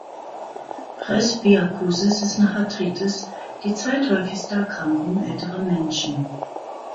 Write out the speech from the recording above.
Presbyakusis ist nach Arthritis die zweithäufigste Erkrankung älterer Menschen.